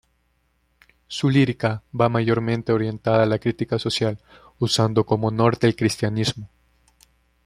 Su lírica va mayormente orientada a la critica social, usando como norte el cristianismo.